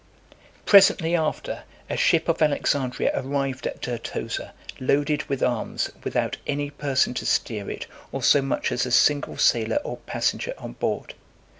Presently after, a ship of Alexandria arrived at Dertosa , loaded with arms, without any person to steer it, or so much as a single sailor or passenger (408) on board.